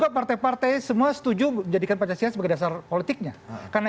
pasti ada anda bisa cek